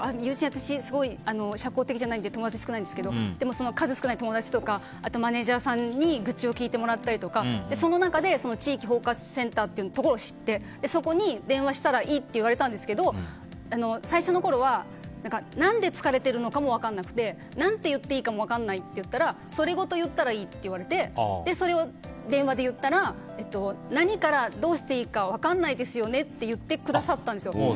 私はすごく社交的じゃないので友達少ないんですけどでも数少ない友達とかマネジャーさんに愚痴を聞いてもらったりとかその中で地域包括支援センターを知ってそこに電話したらいいって言われたんですけど最初のころは何で疲れてるのかも分からなくて何て言っていいかも分からないと言ったらそれごと言ったらいいと言われてそれを電話で言ったら何からどうしていいか分からないですよねって言ってくださったんですよ。